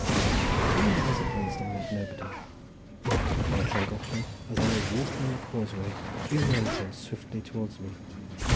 For three miles at least I met nobody. Near Llangollen, as I was walking on the causeway, three men came swiftly towards me.